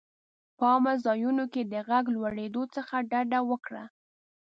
په عامه ځایونو کې د غږ لوړېدو څخه ډډه وکړه.